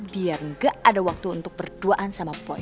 biar gak ada waktu untuk berduaan sama boy